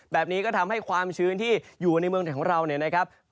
แบบนี้ก็ทำให้ความชื้นที่อยู่ในเมืองไทยของเราเนี่ยนะครับ